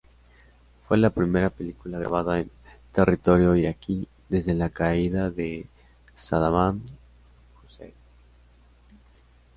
Fue la primera película grabada en territorio iraquí desde la caída de Saddam Hussein.